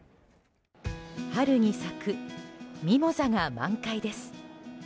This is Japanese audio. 春に咲くミモザが満開です。